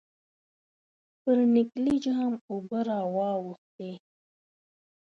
پر نکلي جام اوبه را واوښتې.